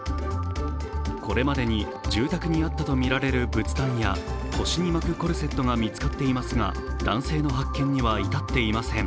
これまでに住宅にあったとみられる仏壇や、腰に巻くコルセットが見つかっていますが、男性の発見には至っていません。